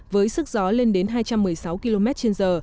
với sức gió lên đến hai trăm một mươi sáu km trên giờ